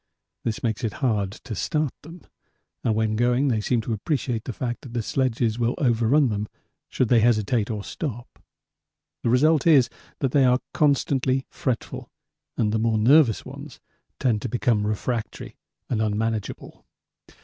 This makes it hard to start them, and when going they seem to appreciate the fact that the sledges will overrun them should they hesitate or stop. The result is that they are constantly fretful and the more nervous ones tend to become refractory and unmanageable.